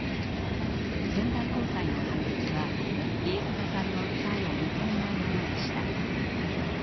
仙台高裁の判決は飯塚さんの訴えを認めないものでした。